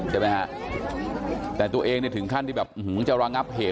ใช่ไหมแต่ตัวเองถึงขั้นที่แบบจะรังอับเหตุ